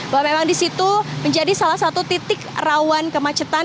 bahwa memang di situ menjadi salah satu titik rawan kemacetan